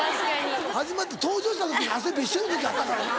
始まって登場した時に汗びっしょりの時あったからな。